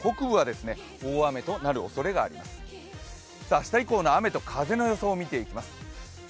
明日以降の雨と風の予想を見ていきます。